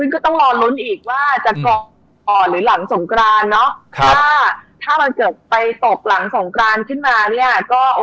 ก็ต้องรอนรุนอีกว่าจะก่อนหรือหลังสงครานถ้ามันเกิดไปตกหลังสงครานขึ้นมาเนี่ยก็โอกาสที่คนจะได้กลับบ้าน